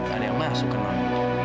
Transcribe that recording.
ada yang masuk ke nonton